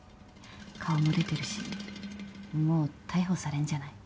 顔も出てるしもう逮捕されんじゃない？